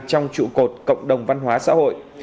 trong trụ cột cộng đồng văn hóa xã hội